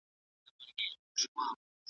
رسوي مو زیار او صبر تر هدف تر منزلونو